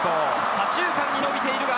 左中間に伸びている。